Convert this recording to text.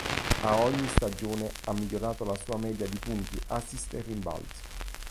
A ogni stagione ha migliorato la sua media di punti, assist e rimbalzi.